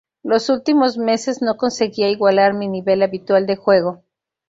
Los últimos meses no conseguía igualar mi nivel habitual de juego.